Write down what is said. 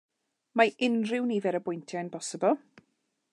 Mae unrhyw nifer o bwyntiau'n bosibl.